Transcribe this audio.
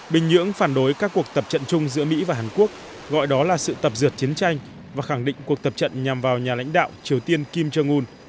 bình nhưỡng phản đối các cuộc tập trận chung giữa mỹ và hàn quốc gọi đó là sự tập dượt chiến tranh và khẳng định cuộc tập trận nhằm vào nhà lãnh đạo triều tiên kim jong un